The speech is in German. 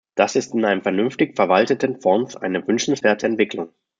Das ist in einem vernünftig verwalteten Fonds eine wünschenswerte Entwicklung.